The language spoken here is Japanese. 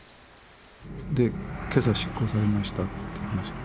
今朝執行されましたって話で。